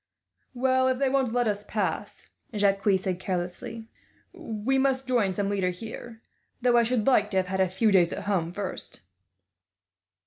"Well, if they won't let us pass," Jacques said carelessly, "we must join some leader here; though I should like to have had a few days at home, first."